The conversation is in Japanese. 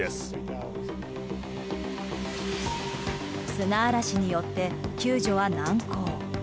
砂嵐によって救助は難航。